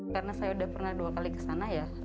karena saya sudah pernah dua kali ke sana ya